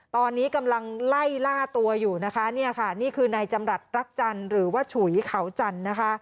ตอนนี้กำลังไล่ล่าตัวอยู่นี่คือนายจำรัฐรักจันทร์หรือว่าฉุยเขาจันทร์